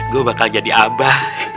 gue bakal jadi abah